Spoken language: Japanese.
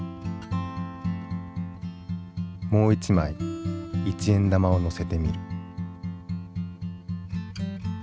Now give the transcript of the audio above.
もう一枚一円玉をのせてみる。